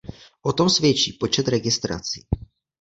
O tom svědčí počet registrací.